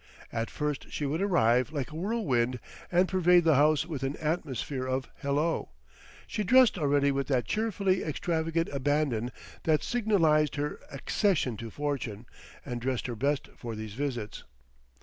At first she would arrive like a whirlwind and pervade the house with an atmosphere of hello! She dressed already with that cheerfully extravagant abandon that signalised her accession to fortune, and dressed her best for these visits.